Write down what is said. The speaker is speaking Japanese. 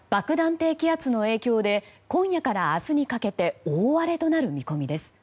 低気圧の影響で今夜から明日にかけて大荒れとなる見込みです。